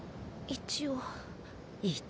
一応？